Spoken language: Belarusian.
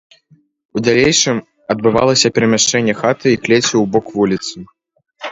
У далейшым адбывалася перамяшчэнне хаты і клеці ў бок вуліцы.